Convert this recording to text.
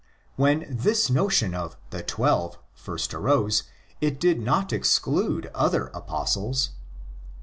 When this notion of "the Twelve"' first arose, it did not exclude other Apostles.